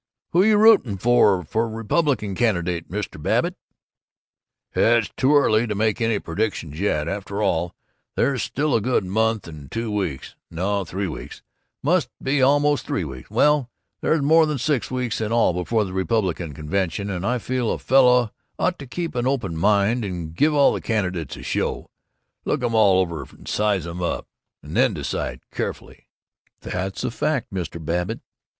"Who you rootin' for for Republican candidate, Mr. Babbitt?" "It's too early to make any predictions yet. After all, there's still a good month and two weeks no, three weeks must be almost three weeks well, there's more than six weeks in all before the Republican convention, and I feel a fellow ought to keep an open mind and give all the candidates a show look 'em all over and size 'em up, and then decide carefully." "That's a fact, Mr. Babbitt."